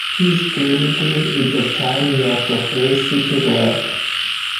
He is credited with the coining of the phrase "secret war".